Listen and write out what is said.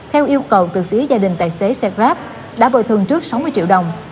theo yêu cầu từ phía gia đình tài xế xe grab đã bồi thường trước sáu mươi triệu đồng